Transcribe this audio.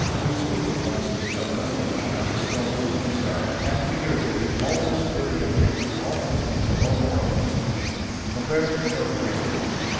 We speak of one's physical constitution as strong or weak, etc., and figuratively, always with the adjective, of his mental or moral constitution. Compare CHARACTERISTIC.